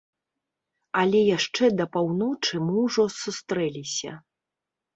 Але яшчэ да паўночы мы ўжо сустрэліся.